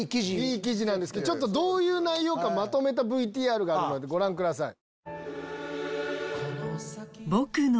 いい記事なんですけどどういう内容かまとめたＶＴＲご覧ください。